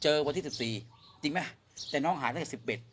เจอวันที่๑๔จริงไหมสิ่งน้องหาได้๑๑๑๒๑๓